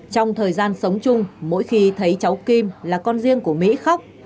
trong thời gian sống chung mỗi khi thấy cháu kim là con riêng của mỹ khóc